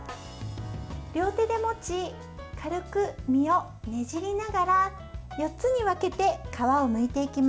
両手で持ち軽く実をねじりながら４つに分けて皮をむいていきます。